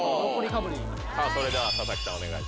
さぁそれでは佐々木さんお願いします。